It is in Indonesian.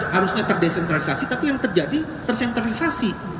harusnya terdesentralisasi tapi yang terjadi tersentralisasi